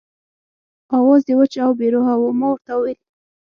آواز یې وچ او بې روحه و، ما ورته وویل.